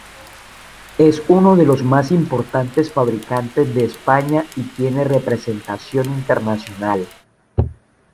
Es uno de los más importantes fabricantes de España y tiene representación internacional.